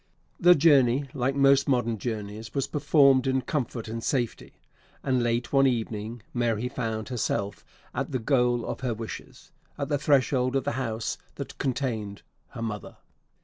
The journey, like most modern journeys, was performed in comfort and safety; and, late one evening, Mary found herself at the goal of her wishes at the threshold of the house that contained her mother!